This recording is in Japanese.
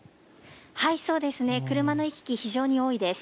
車の行き来、非常に多いです。